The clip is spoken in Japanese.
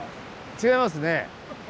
違いますね。